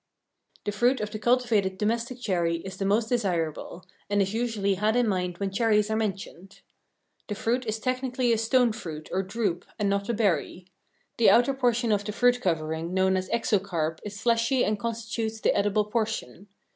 The fruit of the cultivated domestic cherry is the most desirable and is usually had in mind when cherries are mentioned. The fruit is technically a stone fruit or drupe and not a berry; the outer portion of the fruit covering known as exocarp is fleshy and constitutes the edible portion.